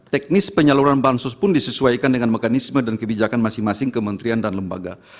teknis penyaluran bansos pun disesuaikan dengan mekanisme dan kebijakan masing masing kementerian dan lembaga